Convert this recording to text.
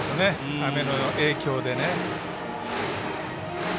雨の影響でね。